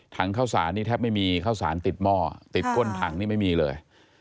ข้าวสารนี่แทบไม่มีข้าวสารติดหม้อติดก้นถังนี่ไม่มีเลย